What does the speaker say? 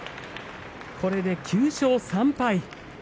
これで９勝３敗。